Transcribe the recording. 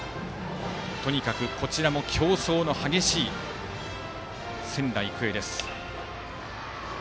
とにかくこちらも競争の激しい仙台育英です。